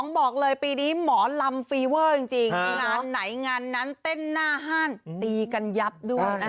บอกเลยปีนี้หมอลำฟีเวอร์จริงงานไหนงานนั้นเต้นหน้าห้านตีกันยับด้วย